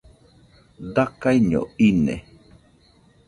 Dakaiño ine